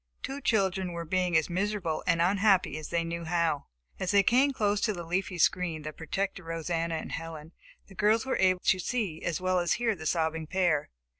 Two children were being as miserable and unhappy as they knew how. As they came close to the leafy screen that protected Rosanna and Helen, the girls were able to see as well as hear the sobbing pair.